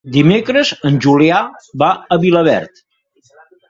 Dimecres en Julià va a Vilaverd.